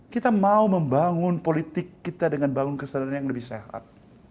kita mau membangun politik kita dengan bangun kesadaran yang lebih sehat